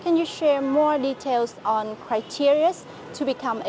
thật sự là một thành phố lớn hơn